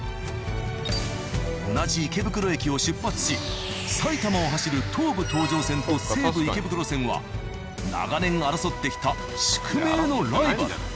同じ池袋駅を出発し埼玉を走る東武東上線と西武池袋線は長年争ってきた宿命のライバル。